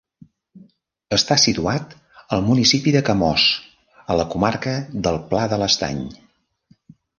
Està situat al municipi de Camós, a la comarca del Pla de l’Estany.